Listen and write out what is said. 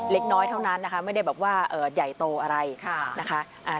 เล็กน้อยเท่านั้นนะคะไม่ได้แบบว่าใหญ่โตอะไรนะคะ